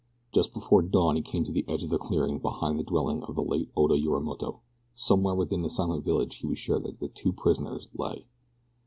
Just before dawn he came to the edge of the clearing behind the dwelling of the late Oda Yorimoto. Somewhere within the silent village he was sure that the two prisoners lay.